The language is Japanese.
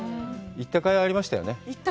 行ったかいありました。